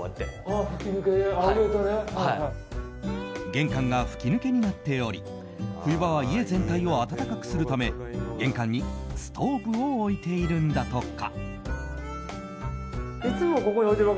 玄関が吹き抜けになっており冬場は家全体を暖かくするため玄関にストーブを置いているんだとか。